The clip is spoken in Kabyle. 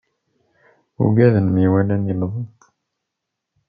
Ugaden mi walan yewweḍ-d.